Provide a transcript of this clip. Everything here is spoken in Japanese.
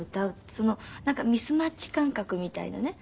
そのなんかミスマッチ感覚みたいなね